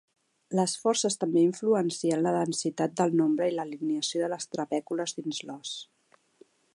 Les forces també influencien la densitat del nombre i la alineació de les trabècules dins l'os.